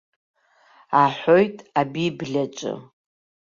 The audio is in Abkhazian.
Аҳәоит абиблиаҿы.